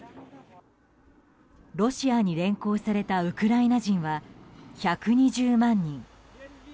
ロシアに連行されたウクライナ人は１２０万人。